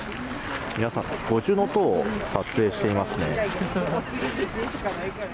皆さん、五重塔を撮影していますね。